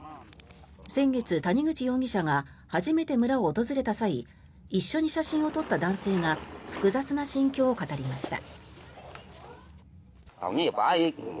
先月、谷口容疑者が初めて村を訪れた際一緒に写真を撮った男性が複雑な心境を語りました。